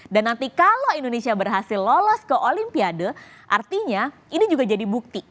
dan nanti kalau indonesia berhasil lolos ke olimpiade artinya ini juga jadi bukti